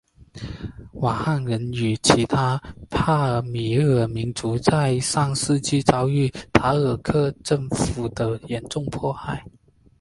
瓦罕人与其他帕米尔民族在上世纪遭到塔吉克政府的严重迫害。